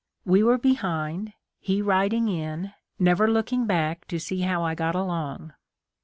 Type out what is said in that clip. We were behind, he riding in, never looking back to see how I got along.